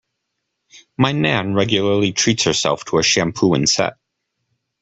My nan regularly treats herself to a shampoo and set.